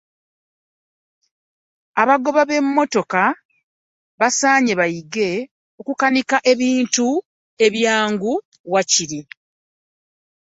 Abagoba b'emmotoka basaanye bayige okukanika ebintu ebyangungu waakiri.